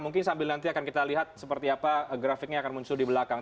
mungkin sambil nanti akan kita lihat seperti apa grafiknya akan muncul di belakang